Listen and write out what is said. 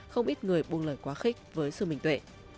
không ít người buông lời quá khích với sư minh tuệ